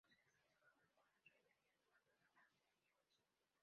Dos generales acaban con la rebelión y matan a Liu Jin.